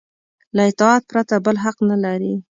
له اطاعت پرته بل حق نه لري.